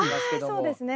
ああそうですね。